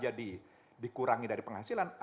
jadi dikurangi dari penghasilan